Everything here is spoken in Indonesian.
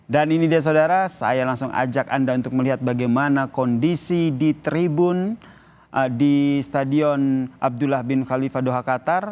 dan ini dia saudara saya langsung ajak anda untuk melihat bagaimana kondisi di tribun di stadion abdullah bin khalifa doha qatar